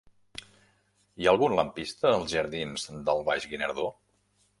Hi ha algun lampista als jardins del Baix Guinardó?